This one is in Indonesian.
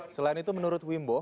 selain itu menurut wimbo